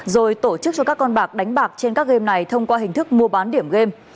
rồi tổ chức cho các con bạc đánh bạc trên các game này thông qua hình thức mua bán điểm game